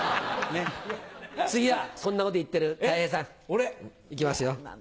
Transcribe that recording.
次はそんなこと言ってるたい平さんいきますよ。